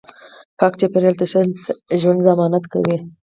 پاک چاپیریال د ښه ژوند ضمانت کوي